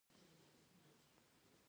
ایا زه باید د ډوډۍ پر مهال اوبه وڅښم؟